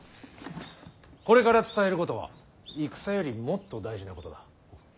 これから伝えることは戦よりもっと大事なことだ。